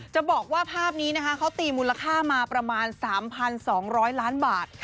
จะบอกว่าภาพนี้นะคะเขาตีมูลค่ามาประมาณ๓๒๐๐ล้านบาท